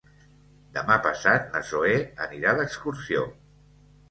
Demà passat na Zoè anirà d'excursió.